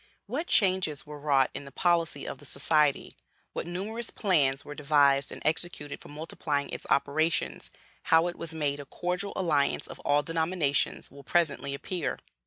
What changes were wrought in the policy of the Society, what numerous plans were devised and executed for multiplying its operations, how it was made a cordial alliance of all denominations, will presently appear.